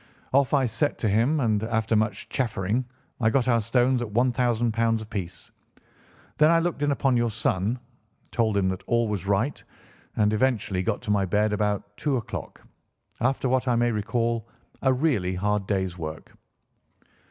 Off I set to him, and after much chaffering I got our stones at £ 1000 apiece. Then I looked in upon your son, told him that all was right, and eventually got to my bed about two o'clock, after what I may call a really hard day's work."